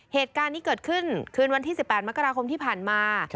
เหตุการณ์นี้เกิดขึ้นคืนวันที่๑๘มกราคมที่ผ่านมา